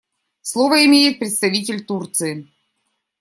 Слово имеет представитель Турции.